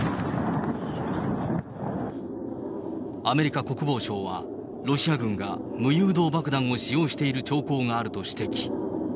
アメリカ国防省は、ロシア軍が無誘導爆弾を使用している兆候があると指摘。